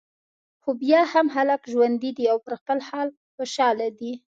خو بیا هم خلک ژوندي دي او پر خپل حال خوشاله دي.